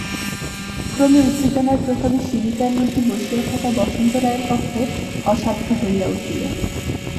ক্রমে উত্তেজনার প্রভাবে শিবিকার মধ্যে বসিয়া থাকা বসন্ত রায়ের পক্ষে অসাধ্য হইয়া উঠিল।